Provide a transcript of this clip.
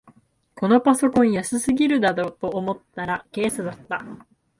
このパソコン安すぎると思ったらケースだった